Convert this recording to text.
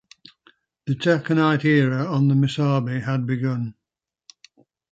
The taconite era on the Missabe had begun.